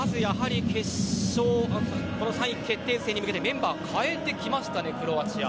まず、３位決定戦に向けてメンバーを変えてきましたね。